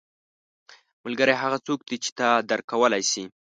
• ملګری هغه څوک دی چې تا درک کولی شي.